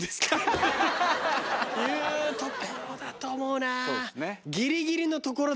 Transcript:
いうところだと思うな。